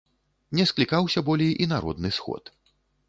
Не склікаўся болей і народны сход.